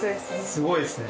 すごいですね。